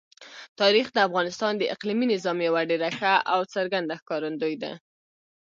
تاریخ د افغانستان د اقلیمي نظام یوه ډېره ښه او څرګنده ښکارندوی ده.